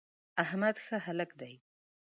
احمد ښه هلک دی.